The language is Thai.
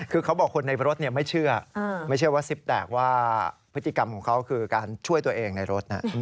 คือเขาบอกคนในรถไม่เชื่อไม่เชื่อว่าซิปแตกว่าพฤติกรรมของเขาคือการช่วยตัวเองในรถ